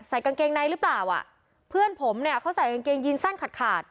กางเกงในหรือเปล่าอ่ะเพื่อนผมเนี่ยเขาใส่กางเกงยีนสั้นขาดขาด